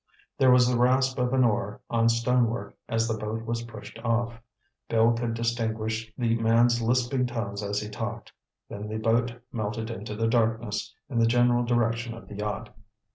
There was the rasp of an oar on stonework as the boat was pushed off. Bill could distinguish the man's lisping tones as he talked. Then the boat melted into the darkness, in the general direction of the yacht.